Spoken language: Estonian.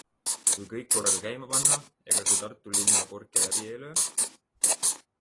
Kui kõik korraga käima panna, ega see Tartu linna korke läbi ei löö?